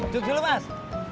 cukup dulu mas